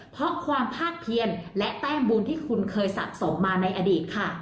เพราะความพาดเพียนและแต้มบุญที่คุณเคยสะสมมาในอดีตค่ะ